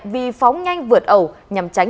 vì phóng nhanh vượt ẩu nhằm tránh